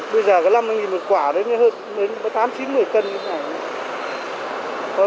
bây giờ cái năm mươi đồng một quả đấy mới hơn tám chín một mươi cân